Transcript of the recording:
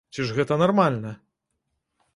Ці ж гэта нармальна?